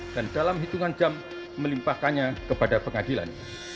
dan dalam hitungan jam melimpahkannya kepada pengadilan